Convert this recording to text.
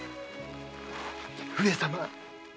上様。